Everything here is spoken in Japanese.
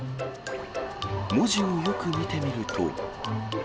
文字をよく見てみると。